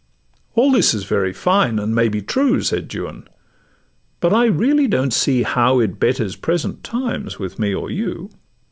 'All this is very fine, and may be true,' Said Juan; 'but I really don't see how It betters present times with me or you.